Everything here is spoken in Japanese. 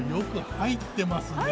入ってますね。